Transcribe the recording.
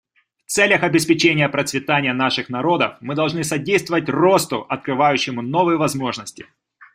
В целях обеспечения процветания наших народов мы должны содействовать росту, открывающему новые возможности.